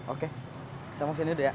oke saya mau kesini deh ya